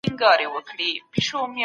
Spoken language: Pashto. که يوه ښځه پداسي غړي کي ټپي يا زخمي سوه.